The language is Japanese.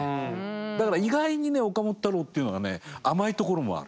だから意外にね岡本太郎っていうのはね甘いところもある。